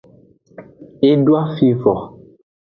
E doa fi vo.